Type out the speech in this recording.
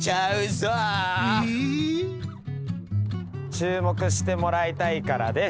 注目してもらいたいからです！